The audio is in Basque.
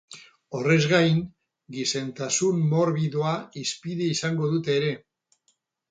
Horrez gain, gizentasun morbidoa hizpide izango dute ere.